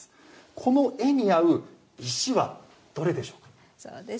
この絵に合う石はどれでしょう？